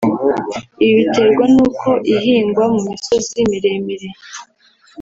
Ibi biterwa n’uko ihingwa mu misozi miremire